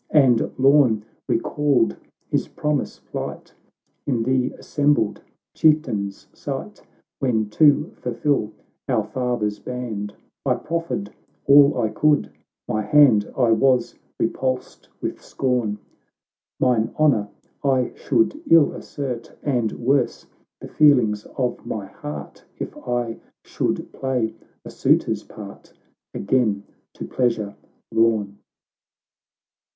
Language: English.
And Lorn recalled his promise plight, In the assembled Chieftains' sight. — When, to fulfil our father's band, I proffered all I could— my hand — I was repulsed with scorn ; Mine honour I should ill assert, And worse the feelings of my heart, If I should play a suitor's part Again, to pleasure Lorn."